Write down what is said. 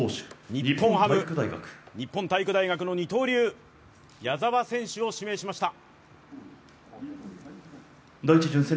日本ハム、日本体育大学の二刀流、矢澤選手を指名しました。